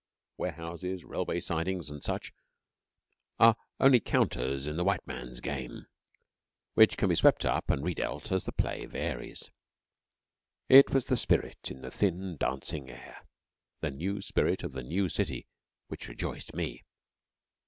Warehouses, railway sidings, and such are only counters in the White Man's Game, which can be swept up and re dealt as the play varies. It was the spirit in the thin dancing air the new spirit of the new city which rejoiced me.